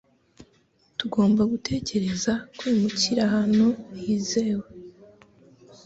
Tugomba gutekereza kwimukira ahantu hizewe.